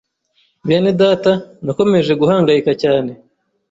Benedata nakomeje guhangayika cyane